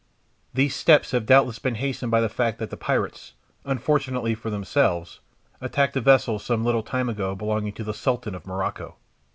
These steps have doubtless been hastened by the fact that the pirates, unfortunately for themselves, attacked a vessel some little time ago belonging to the Sultan of Morocco.